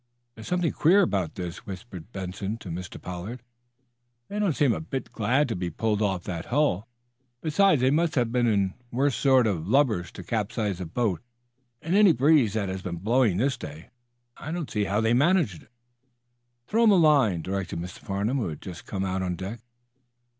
"There's something queer about this," whispered Benson to Mr. Pollard. "They don't seem a bit glad to be pulled off that hull. Besides, they must have been the worst sort of lubbers to capsize a boat in any breeze that has been blowing this day. I don't see how they managed it." "Throw them a line," directed Mr. Farnum, who had just come out on deck.